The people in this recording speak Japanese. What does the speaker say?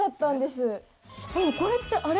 でもこれってあれ？